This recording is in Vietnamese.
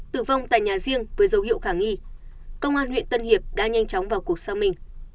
tử vong tại nhà riêng với dấu hiệu khả nghi công an huyện tân hiệp đã nhanh chóng vào cuộc xác minh